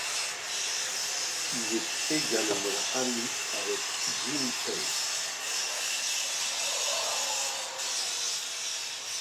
Il est également ami avec Jimmy Page.